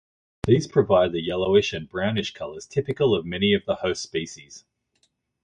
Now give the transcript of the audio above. These provide the yellowish and brownish colours typical of many of the host species.